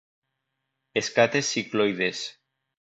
Escates cicloides.